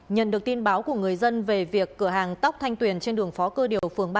nhận được tin báo của người dân về việc cửa hàng tóc thanh tuyền trên đường phó cơ điều phường ba